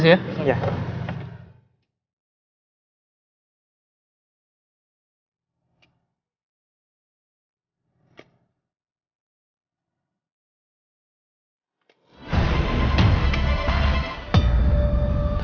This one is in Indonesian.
asistennya mas al